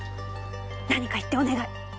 何か言ってお願い。